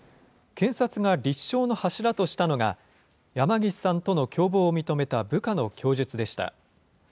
検察が立証の柱としたのが、山岸さんとの共謀を認めた部下の供述でした。